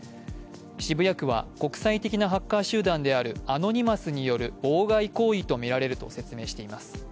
渋谷区は国際的なハッカー集団であるアノニマスによる妨害行為とみられると説明しています。